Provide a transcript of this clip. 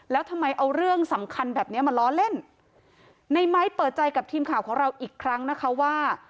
แล้วทำไมเอาเรื่องสำคัญแบบเนี้ยมาล้อเล่นในไม้เปิดใจกับทีมข่าวของเราอีกครั้งนะคะว่า